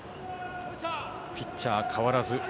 ピッチャーは代わらず。